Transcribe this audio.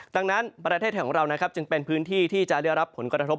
ดังนั้นประเทศของเราจึงเป็นพื้นที่ที่จะเรียบรับผลกระทบ